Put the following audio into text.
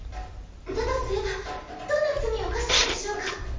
だとすればどんな罪を犯したのでしょうか？